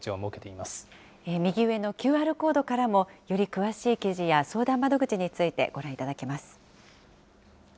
右上のＱＲコードからもより詳しい記事や相談窓口についてご覧いただけます。